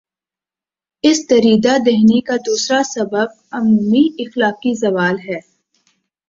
اس دریدہ دہنی کا دوسرا سبب عمومی اخلاقی زوال ہے۔